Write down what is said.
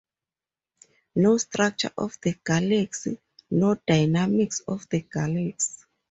No structure of the galaxy, no dynamics of the galaxy.